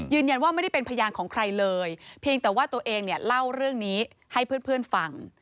ไม่ได้เป็นพยานของใครเลยเพียงแต่ว่าตัวเองเนี่ยเล่าเรื่องนี้ให้เพื่อนฟัง